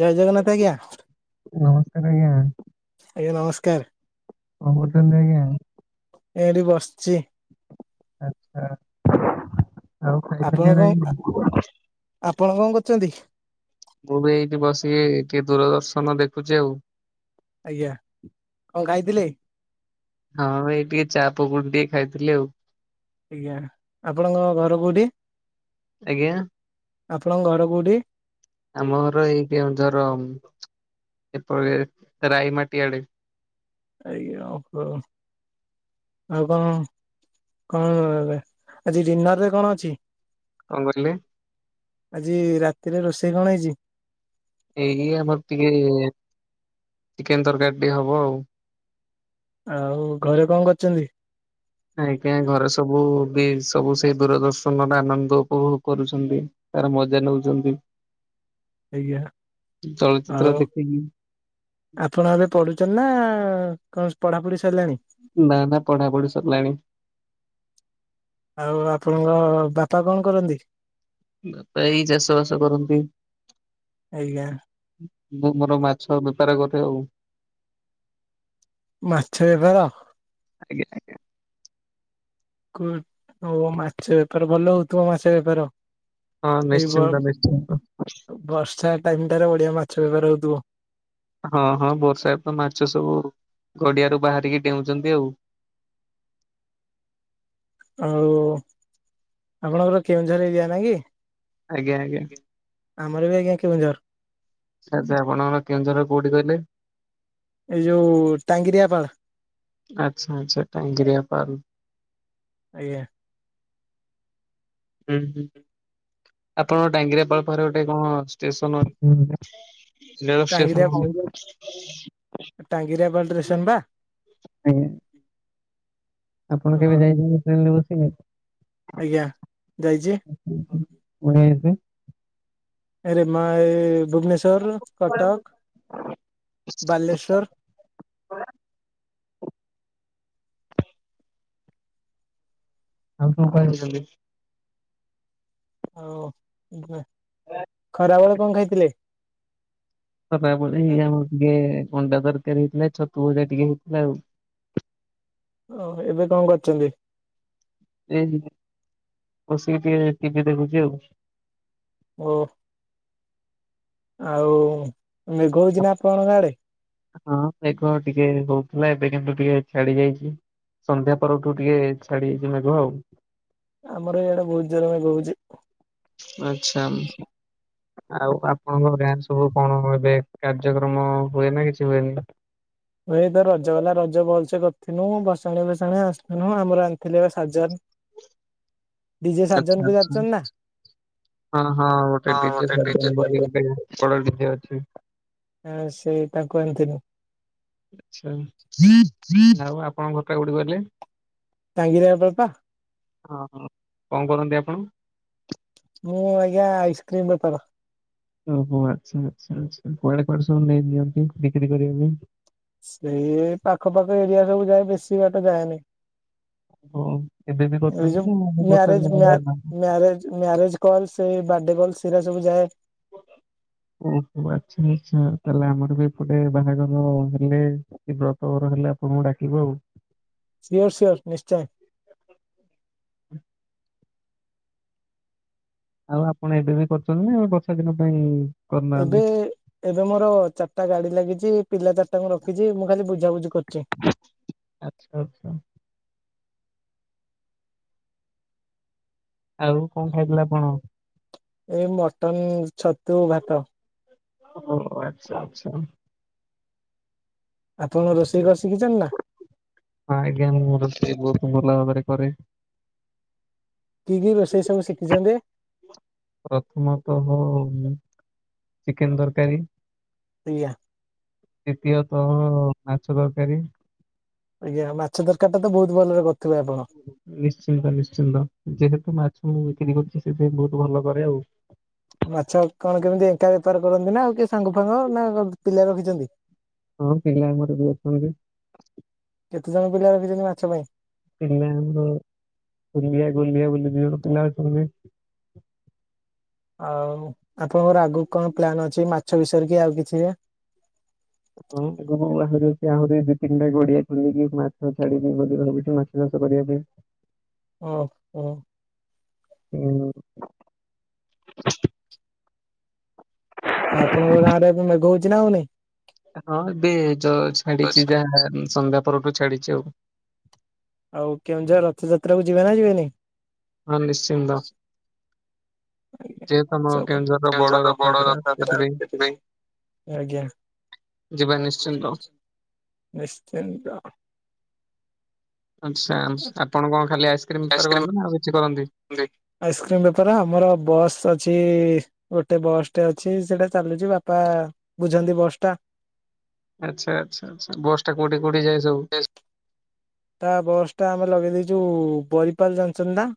ଜୟ ଜଗନ୍ନାଥ ଆଜ୍ଞା। ନମସ୍କାର୍ ଆଜ୍ଞା। ଆଜ୍ଞା ନମସ୍କାର୍ କଣ କରୁଛନ୍ତି ଆଜ୍ଞା ଏଡି ବସ୍ ଚି ଆଛା ଆଉ ଆପଣ ଖାଇଚନ୍ତି କଣ ନାଇ ଆପଣ କଣ କରୁଚନ୍ତି? ମୁଁ ବି ଏଇଠି ବସିକି ଟିକେ ଦୂରଦର୍ଶନ ଦେଖୁଚି ଆଉ। ଆଜ୍ଞା କଁ ଖାଇଥିଲେ? ହଁ ଏଇ ଟିକେ ଚା ପକୁଡି ଟିକେ ଖାଇଥିଲି ଆଉ। ଆଜ୍ଞା ଆପଣଙ୍କ ଘର କୋଉଠି, ଆଜ୍ଞା ଆପଣଙ୍କ ଘର କୋଉଠି? ଆମ ଘର ଏଇ କେଉଁଝର, ଏଇ ରାଇ ମାଟି ଆଡେ। ଆଜ୍ଞା ଓଃ। ଆଉ କଣ କଣ ଆଜି ଡିନର୍ ରେ କଣ ଅଛି? କଣ କରିଲେ? ଆଜି ରାତିରେ ରୋଷେଇ କଣ ହେଇଚି? ଏଇ ଆମର ଟିକେ ଚିକେନ୍ ତର୍କାରୀ ଟିକେ ହବ ଆଉ। ଆଉ ଘରେ କଁ କରୁଚନ୍ତି? ଆଜ୍ଞା ଘରେ ସବୁ ବି ସବୁ ସେଇ ଦୂରଦର୍ଶନର ଆନନ୍ଦ ଉପଭୋଗ୍ କରୁଛନ୍ତି। ତାର ମଜା ନୋଚନ୍ତି। ଆଜ୍ଞା ଆଉ। ଦେଖିକି ଆପଣ ଏବେ ପଢୁଚନ୍ତି ନା କଁ ପଢାପଢି ସାଇଲାଣି? ନା ନା ପଢା ପଢି ସରିଲାଣି। ଆଉ ଆପଣଙ୍କ ବାପା କଣ କରନ୍ତି? ବାପା ଏଇ ଚାଷ ବାସ କରନ୍ତି। ଆଜ୍ଞା ମୁଁ ମୋର ମାଛ ବେପାର କରେ ଆଉ। ମାଛ ଏବାର ଆଜ୍ଞା ଆଜ୍ଞା। କୋ ଓ ମାଛ ବେପାର ଭଲ ହୋଉଥୁବ ମାଛ ବେପାର। ହଁ ଏଇ ବ ନିଶ୍ଚିନ୍ତ ନିଶ୍ଚିନ୍ତ ବର୍ଷା ଟାଇମ ଟାରେ ବଡିଆ ମାଛ ବ୍ୟବହାର ହୋଉଥିବ। ହଁ ହଁ ବର୍ଷା ତ ମାଛ ସବୁ ଘଡିଆରୁ ବାହାରିକି ଡେଉଚନ୍ତି ଆଉ। ଆଉ ଆପଣଙ୍କର କେଉଁଝର୍ ଏରିଆ ନା କି? ଆଜ୍ଞା ଆଜ୍ଞା ଆମର ବି ଆଜ୍ଞା କେଉଝର୍। ଆଛା ଆପଣଙ୍କର କେଉଁଝର୍ ର କୋଉଠି କିଇଲେ? ଏଇ ଯୋଉ ଟାଙ୍ଗିରିଆପାଳ୍। ଆଚ୍ଛା ଆଚ୍ଛା ଟାଙ୍ଗିଆପାଲ୍। ଆଜ୍ଞା। ହୁଁ ହୁଁ ଆପଣଙ୍କ ଟାଙ୍ଗିରାପଳ୍ ପାଖରେ ଗୋଟେ କଣ ଷ୍ଟେସନ ରେଳ ଷ୍ଟେସନ୍ ଟାଙ୍ଗିରିଆ ଗାଆଁ। ଟାଙ୍ଗିରିଆପାଳ ଷ୍ଟେସନ ବା ଆପଣ କେବେ ହଁ ଯାଇଛନ୍ତି ଟ୍ରେନ୍ ରେ ବସିକି? ଆଜ୍ଞା ଯାଇଚି। [inaudible] ଏରେମ ଭୁବନେଶ୍ୱର୍, କଟକ, ବାଲେଶ୍ୱର୍। ଆମ ତୁ ପାଇଅନ୍ତି ହୋଉ ଖରାବେେଳେ କଁ ଖାଇଥିଲେ? ଖରାବେଳେଇ ଆମର୍ ଟିକେ ଅଣ୍ଡା ତର୍କାରି ହେଇଥିଲା, ଛତୁ ଭଜା ଟିକେ ହେଇଥିଲା ଆଉ। ଓ ଏବେ କଁ କରୁଚନ୍ତି? ଏଇ ବସିକି ଟିକେ ଟିଭି ଦେଖୁଛି ଆଉ ଓ ଆଉ ମେଘ ହଉଛି ନା ଆପଣଙ୍କ ଆଡ଼େ ହଁ ମେଘ ଟିକେ ହଉଥିଲା ଏବେ କିନ୍ତୁ ଟିକେ ଛାଡି ଯାଇଛି ସନ୍ଧ୍ୟା ପରଠୁ ଟିକେ ଛାଡି ଯାଇଛି ମେଘ ଆଉ ଆମର ଏଇଆଡା ବହୁତ ଜୋରେ ମେଘ ହୋଉଛି ଆଚ୍ଛା ଆଉ ଆପଣଙ୍କ ଗାଁ ସବୁ କଣ ଏବେ କାର୍ଯ୍ୟକ୍ରମ ହୁଏ ନା କିଛି ହୁଏନି ଏଇ ତ ରଜ ଗଲା ରଜ ଭଲସେ କରିଥିନୁ ବସାଣି ଫସାଣି ଆସିଥିନୁ ଆମର ଆ ଥିଲେ ସାଜନ ଡିଜେ ଆଚ୍ଛା ସାଜନ କୁ ଆଚ୍ଛା। ଯାଣିଛନ୍ତି ନା? ହଁ ହଁ ଗୋଟେ ଡିଜେ ସାଜନ ବୋଲି ଗୋଟେ ବଡ ଡିଜେ ଅଛି। ହଁ ସେଇ ତାଙ୍କୁ ଆଣିଥିନି ଆଛା ଆଉ ଆପଣଙ୍କ ଘରଟା କଉଠି କହିଲେ ତାଙ୍ଗୁରିଆ ବା ପା ହଁ ହଁ କଣ କରନ୍ତି ଆପଣ ମୁଁ ଆଜ୍ଞା ଆଇସକ୍ରିମ୍ ବେପାର ଓହୋ ଆଚ୍ଛା ଆଚ୍ଛା ଆଚ୍ଛା କୁଆଡେ କୁଆଡେ ସବୁ ନେଇ ନିିଅନ୍ତି ବିକ୍ରି କରିବା ପାଇଁ ସେଇ ପାଖ ପାଖ ଏରିଆ ସବୁ ଯାଏ ବେଶୀ ବାଟ ଯାଏନି ହଉ ଏବେ ବି ଏଇ ଯୋଉ କରୁଛନ୍ତି ନା ମୁଁ ମ୍ୟାରେଜ ମ୍ୟା ମ୍ୟାରେଜ ମ୍ୟାରେଜ କଲ ସେ ବାର୍ଥଡେ କଲ୍ ସେଟା ସବୁ ଯାଏ ଓହୋ ଆଚ୍ଛା ଆଛା ତାହେଲେ ଆମର ବି ଏପଟେ ବାହାଘର ହେଲେ ବ୍ରତଘର ହେଲେ ଆପଣଙ୍କୁ ଡାକିବୁ ଆଉ ସିଓର ସାର ନିଶ୍ଚୟ ହଁ ଆଉ ଆପଣ ଏବେ ବି କରୁଛନ୍ତି ନା ଏ ବର୍ଷା ଦିନ ପାଇଁ ଏବେ କରୁନାହାନ୍ତି ଏବେ ମୋର ଚାରିଟା ଗାଡି ଲାଗିଛି ପିଲା ଚାରିଟାଙ୍କୁ ରଖିଛି ମୁଁ ଖାଲି ବୁଝାବୁଝି କରୁଛି ଆଚ୍ଛା ଆଚ୍ଛା ଆଉ କଣ ଖାଇଥିଲେ ଆପଣ ଏଇ ମଟନ ଛତୁ ଭାତ ଓ ଆଚ୍ଛା ଆଚ୍ଛା ଆପଣ ରୋଷେଇ କରି ଶିଖିଛନ୍ତି ନା ହଁ ଆଜ୍ଞା ମୁଁ ରୋଷଇ ବହୁତ ଭଲ ଭାବରେ କରେ କି କି ରୋଷେଇ ସବୁ ଶିଖିଛନ୍ତି ପ୍ରଥମତଃ ଉ ଚିକେନ ତରକାରୀ ଆଜ୍ଞା ଦ୍ୱିତୀୟତଃ ମାଛ ତରକାରୀ ଆଜ୍ଞା ମାଛ ତରକାରି ଟା ତ ବହୁତ ଭଲରେ କରିଥିବେ ଆପଣ ନିଶ୍ଚିନ୍ତ ନିଶ୍ଚିନ୍ତ ଯେହେତୁ ମାଛ ମୁଁ ବିକ୍ରି କରୁଛି ସେଥିପାଇଁ ବହୁତ ଭଲ କରେ ଆଉ ମାଛ କଣ କେମିତି ଏକା ବେପାର କରନ୍ତି ନା ଆଉ କିଏ ସାଙ୍ଗ ଫାଙ୍ଗ ନା ପିଲା ରଖିଛନ୍ତି ହଁ ପିଲା ଆମର ବି ଅଛନ୍ତି କେତେ ଜଣ ପିଲା ରଖିଛନ୍ତି ମାଛ ପାଇଁ ପିଲା ଆମର ଗଲିଆ ଗୁଲିଆ ବୋଲି ଦି ଜଣ ପିଲା ଅଛନ୍ତି ଆଉ ଆପଣଙ୍କର ଆଗକୁ କଣ ପ୍ଲାନ୍ ଅଛି ମାଛ ବିଷୟରେ କିି ଆଉ କିଛି ରେ ହଁ ଆଗକୁ ଆହୁରି ଆହୁରି ଦି ତିନିଟା ଗଡିଆ ଖୋଲିକି ମାଛ ଛାଡିବି ବୋଲି ଭାବୁଛି ମାଛ କରିବା ପାଇଁ ଓ ହୋ ହୁଁ ଆପଣଙ୍କ ଗାଁ ରେ ଏବେ ମେଘ ହଉଛି ନା ହୋଉନି ହଁ ଏବେ ଯ ଛାଡିଛି ଯାହା ସନ୍ଧ୍ୟା ପରଠୁ ଛାଡିଛି ଆଉ ଆଉ କେଉଁଝର ରଥଯାତ୍ରା କୁ ଯିବା ନା ଯିବାନି? ହଁ ନିଶ୍ଚିନ୍ତ। ଯେହେତୁ ଆମ କେଉଁଝର ର ବଡ ରଥଯାତ୍ରା ସେଥିପାଇଁ ଆଜ୍ଞା। ଯିବା ନିଶ୍ଚିନ୍ତ। ନିଶ୍ଚିନ୍ତ। ଆଚ୍ଛା ଆପଣ କଣ ଖାଲି ଆଇସ୍କ୍ରିମ୍ ବେପାର କରନ୍ତୁ ନା ଆଉ କିଛି କରନ୍ତି। ଆଇସ୍କ୍ରିମ ବେପାର ଆମର ବସ୍ ଅଛି ଗୋଟେ ବସ୍ ଟେ ଅଛି ସେଟା ଚାଲୁଛି ବାପା ବୁଝନ୍ତି ବସ୍ ଟା। ଆଚ୍ଛା ଆଚ୍ଛା ଆଚ୍ଛା ବସଟା କଉଠି କଉଠି ଯାଏ ସବୁ। [inaudible] ତା ବସ୍ ଟା ଆମେ ଲଗେଇ ଦେଇଛୁ ବରିପାଲ ଜାଣିଛନ୍ତି ନା।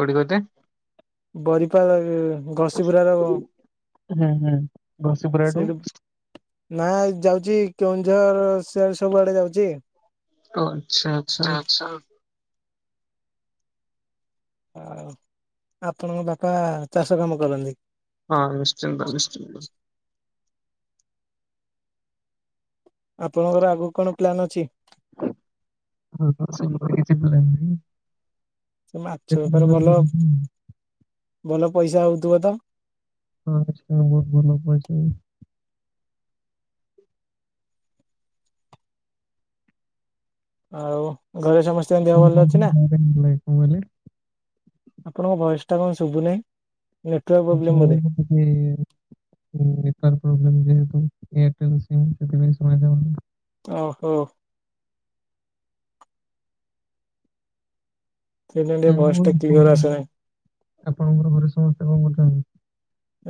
କଉଠି କହତି। ବରିପାଳ ରେ ଘଷିପୁରାର ହୁଁ ହୁଁ ଘସିପୁରାଠୁ। ସେଇ ନା ଏ ଯାଉଛି କେଉଁଝର ସିଆଡେ ସବୁଆଡେ ଯାଉଛି। ଓ ଆଚ୍ଛା ଆଚ୍ଛା। ଆଉ ଆପଣଙ୍କ ବାପା ଚାଷ କାମ କରନ୍ତି। ହଁ ନିଶ୍ଚିନ୍ତ ନିଶ୍ଚିନ୍ତ। ଆପଣଙ୍କର ଆଗକୁ କଣ ପ୍ଲାନ୍ ଅଛି। ମେର ତ ସେମିତି କିଛି ପ୍ଲାନ୍ ନାହିଁ। ସେ ମାଛ ବେପାର ଭଲ [unintelligible] ଭଲ ପଇସା ହଉଥିବ ତ। ହଁ [unintelligible] ଆଉ ଘରେ ସମସ୍ତଙ୍କ ଦେହ ଆପଣ ଭଲ କଣ ଅଛି ନା। ପାଇଁ କଣ କହିଲେ? ଆପଣଙ୍କ ଭଏସ୍ ଟା କଣ ଶୁଭୁନେଇ। [inaudible] ଏ ନେଟୁଅ୍ୟାକ ପ୍ରୋବ୍ଲେମ ଯେହେତୁ ଏୟାରଟେଲ ସିମ୍ ସେଥିପା ଶୁଣାଯାନି। ଓହୋ। ସେଇଥିପାଇଁ ଟିକେ [unintelligible] ଭଏସ ଟା କ୍ଲିୟର ଆସୁନାହିଁ। ଆପଣଙ୍କର ଘରେ ସମସ୍ତେ କଣ କରୁଛନ୍ତି।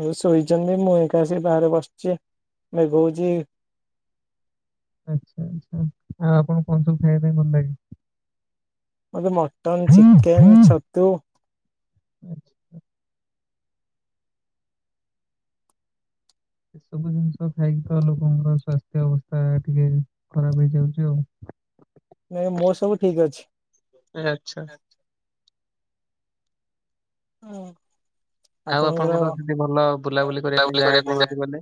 ଏ ଶୋଇଛନ୍ତି ମୁଁ ଏକା ଆସି ବାହାରେ ବସଛି ମେଘ ହଉଛି। ଆଚ୍ଛା ଆଚ୍ଛା ଆଉ ଆପଣଙ୍କୁ କଣ ସବୁ ଖାଇବା ପାଇଁ ଭଲ ଲାଗେ। ମୁଁ ଆଜି ମଟନ ଚିକେନ ଛତୁ ଖାଇଛି। ଏସବୁ ଜିନିଷ ଖାଇକି ତ ଲୋକଙ୍କର ସ୍ୱାସ୍ଥ୍ୟ ଅବସ୍ଥା ଟିକେ ଖରାପ ହେଇଯାଉଛି ଆଉ। ନାଇ ମୋର ସବୁ ଠିକ ଅଛି। ଏ ଆଚ୍ଛା। ହଁ ଆଉ ଆପଣଙ୍କର ଯଦି ଭଲ ବୁଲାବୁଲି କରିବା ପାଇଁ ଆପଣଙ୍କର ଜାଗା କଣ ଅଛି କହିଲେ?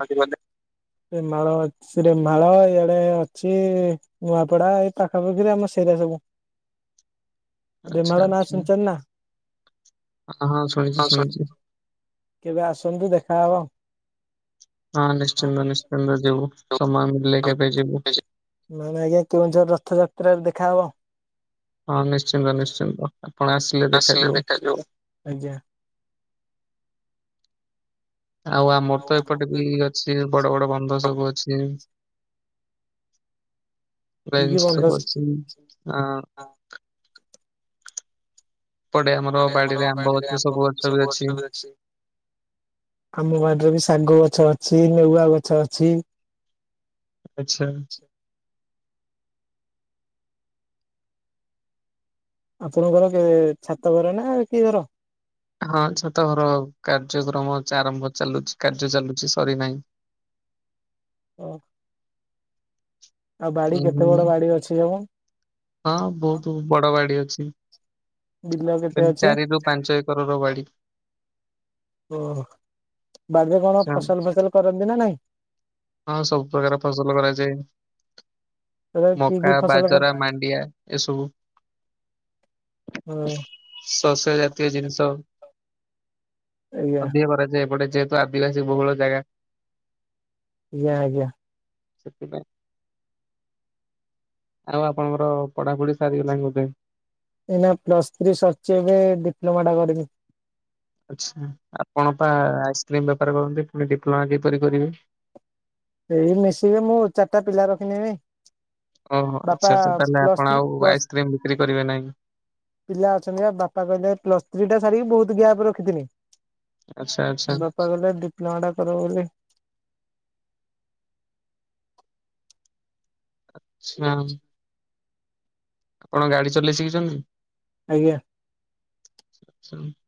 ରେମାଳ ଅଛି ରେମାଳ ଇଆଡେ ଅଛି। ନୂଆପଡା ଏଇ ପାଖାପାଖିରେ ଆମ ସେରା ସବୁ। ଆଚ୍ଛା ରେମାଳ ନା ଶୁଣିଛନ୍ତି ନା। ଅ ହଁ ଶୁଣିଛି ଶୁଣିଛି। କେବେ ଆସନ୍ତୁ ଦେଖାହବ। ହଁ ନିଶ୍ଚିନ୍ତ ନିଶ୍ଚିନ୍ତ ଯିବୁ ସମୟ ମିଳିଲେ କେବେ ଯିବୁ। ନହଲେ ଆଜ୍ଞା କେଉଁଝର ରଥଯାତ୍ରାରେ ଦେଖାହବ। ହଁ ନିଶ୍ଚିନ୍ତ ନିଶ୍ଚିନ୍ତ ଆପଣ ଆସିଲେ ଦେଖାଯିବ। ଆଜ୍ଞା। ଆଉ ଆମର ତ ଏପଟେ ବି ଅଛି ବଡ ବଡ ବନ୍ଧ ସବୁ ଅଛି। ପୁରା କି କି ଏମିତି ସବୁ ବନ୍ଧ ଅଛି ଆ ପଡେ ଆମର ବାଡିରେ ଆମ୍ବ ଗଛ ସବୁ ଗଛ ବି ଅଛି। ଆମ ବାଡିରେ ବି ଶାଗ ଗଛ ଅଛି, ନେଉଆ ଗଛ ଅଛି। ଆଚ୍ଛା। ଆପଣଙ୍କର ଛାତଘର ନା କି ଘର? ହଁ ଛାତ ଘର ଆଉ କାର୍ଯ୍ୟକ୍ରମ ଆରମ୍ଭ ଚାଲୁଛି କାର୍ଯ୍ୟ ଚାଲୁଛି ସରି ନାହିଁ। ଓ ଆଉ ବାଡି ଉଁ ହୁଁ କେତେ ବଡ ବାଡି ଅଛି ହବ? ହଁ ବହୁତ ବଡ ବାଡି ଅଛି। ବିଲ କେତେ ତିନି ଅଛି? ଚାରି ରୁ ପାଞ୍ଚ ଏକର ର ବାଡି। ଓ ବାଡି ରେ କଣ ଆଚ୍ଛା। ଫସଲ ଫସଲ କରନ୍ତି ନା ନାଇଁ? ହଁ ସବୁ ପ୍ରକାର ଫସଲ କରାଯାଏ। ତଥାପି କି ମକା, କି ଫସଲ କର ବାଜରା, ମାଣ୍ଡିଆ। ଏସବୁ ହଁ ଶସ୍ୟ ଜାତୀୟ ଜିନିଷ। ଆଜ୍ଞା ଅଧିକ କରାଯାଏ। ଏପଟେ ଯେହେତୁ ଆଦିବାସୀ ବହୁଳ ଜାଗା। ଆଜ୍ଞା ଆଜ୍ଞା। ସେଥିପାଇଁ, ଆଉ ଆପଣଙ୍କର ପଢାପଢି ସରିଗଲାଣି ବୋଧେ। ଏଇନା ପ୍ଲସ୍ ଥ୍ରୀ ସରିଚି ଏବେ ଡିପ୍ଲୋମା ଟା କରିବି। ଆଚ୍ଛା। ଆପଣ ପା ଆଇସସ୍କ୍ରିମ୍ ବେପାର କରନ୍ତି ପୁଣି ଡିପ୍ଲୋମା କିପରି କରିବେ? ଏଇ [unintelligible] ମୁଁ ଚାରିଟା ପିଲା ରଖିନେବି। ଓହୋ ବାପା ଆଚ୍ଛା ଆଛା। ତାହେଲେ ପ୍ଲସ୍ ଆପଣ ଥ୍ରୀ ଆଉ ପ୍ଲସ୍ ଆଇସକ୍ରିମ ବିକ୍ରି କରିବେ ନାହିଁ। ପିଲା ଅଛନ୍ତି ବା ବାପା କହିଲେ ପ୍ଲସ ଥ୍ରୀ ଟା ସାରିକି ବହୁତ ଗ୍ୟାପ ରଖିଥିଲି। ଆଚ୍ଛା ଆଚ୍ଛା। ବାପା କହିଲେ ଡିପ୍ଲୋମା ଟା କର ବୋଲି। [unintelligible] ଆପଣ ଗାଡି ଚଲେଇ ଶିଖିଛନ୍ତି? ଆଜ୍ଞା। [unintelligible]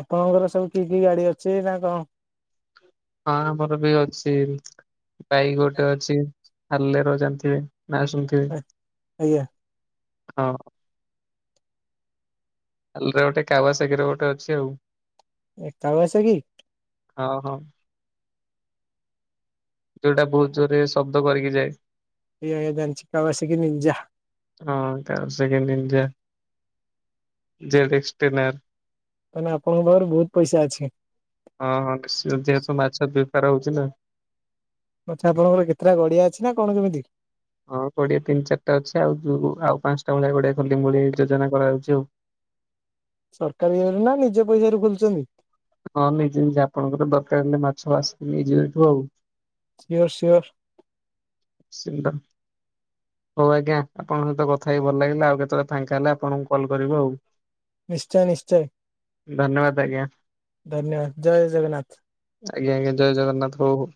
ଆପଣଙ୍କର ସବୁ କି କି ଗାଡି ଅଛି ନା କଣ? ହଁ ଆମର ବି ଅଛି ଗାଈ ଗୋଟେ ଅଛି। ହାଲେରୋ ଜାଣିଥିବେ ନା ଶୁଣି ଆ ଆଜ୍ଞା। ହଁ। [unintelligible] ଗୋଟେ ଅଛି ଆଉ। ଏକା ବୟସ କି? ହଁ ହଁ। ଯୋଉଟା ବହୁତ ଜୋରରେ ଶବ୍ଦ କରିକି ଯାଏ। [unintelligible] ହଁ। [unintelligible] ତାହେଲେ ଆପଣଙ୍କ ପାଖରେ ବହୁତ ପଇସା ଅଛି। ହଁ ହଁ ଯେହେତୁ ମାଛ ବେପାର ହଉଛି ନା। ଆଚ୍ଛା ଆପଣଙ୍କ ର କେତେଟା ଗଡିଆ ଅଛି ନା କଣ କେମିତି? ହଁ ଗଡ଼ିଆ ତିନି ଚାରିଟା ଅଛି ଆଉ। ଯୋଉ ଆଉ ପାଞ୍ଚଟା ଭଳିଆ ଗଡିଆ ଖୋଲିମି ଭଳି ଯୋଜନା କରାଯାଉଛି ଆଉ। ସରକାର ଇରେ ନା ନିଜ ପଇସା ର ଖୋଳୁଛନ୍ତି? ହଁ ନିଜେ ନିଜେ। ଆପଣଙ୍କର ଦରକାର ହେଲେ ମାଛ ଆସିକି ନେଇଯିବେ ଏଠୁ ଆଉ। Sure sure. [unintelligible] ହଉ ଆଜ୍ଞା ଆପଣଙ୍କ ସହିତ କଥା ହେଇ ଭଲ ଲାଗିଲା। ଆଉ କେତେବେଳେ ଫାଙ୍କା ହେଲେ ଆପଣଙ୍କୁ କଲ କରିବୁ ଆଉ। ନିଶ୍ଚୟ ନିଶ୍ଚୟ ଧନ୍ୟବାଦ ଆଜ୍ଞା ଧନ୍ୟବାଦ ଜୟ ଜଗନ୍ନାଥ। ଆଜ୍ଞା ଆଜ୍ଞା ଜଗନ୍ନାଥ ହଉ ହଉ।